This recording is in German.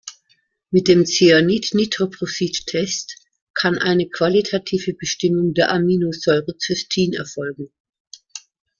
Mit dem Zyanid-Nitroprussid-Test kann eine qualitative Bestimmung der Aminosäure Cystin erfolgen.